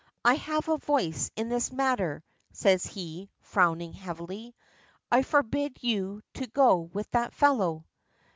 "I have a voice in this matter," says he, frowning heavily. "I forbid you to go with that fellow."